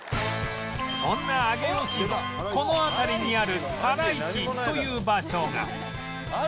そんな上尾市のこの辺りにある原市という場所が